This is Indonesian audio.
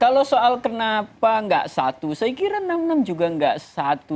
kalau soal kenapa nggak satu saya kira enam puluh enam juga nggak satu